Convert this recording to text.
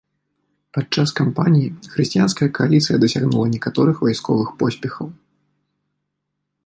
Падчас кампаніі хрысціянская кааліцыя дасягнула некаторых вайсковых поспехаў.